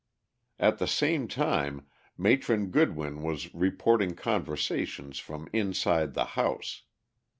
At the same time, Matron Goodwin was reporting conversation from inside the house.